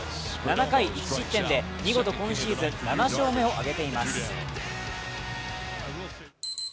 ７回１失点で見事、今シーズン７勝目をあげています。